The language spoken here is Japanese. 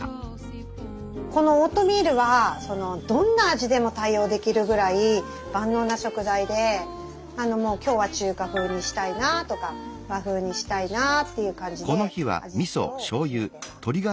このオートミールはどんな味でも対応できるぐらい万能な食材で今日は中華風にしたいなとか和風にしたいなっていう感じで味付けを決めてます。